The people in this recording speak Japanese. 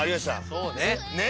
そうね。